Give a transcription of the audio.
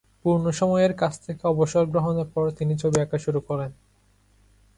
পূর্ণ-সময়ের কাজ থেকে অবসর গ্রহণের পর তিনি ছবি আঁকা শুরু করেন।